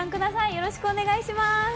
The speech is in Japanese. よろしくお願いします。